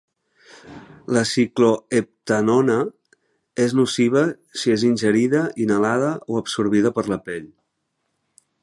La cicloheptanona és nociva si és ingerida, inhalada o absorbida per la pell.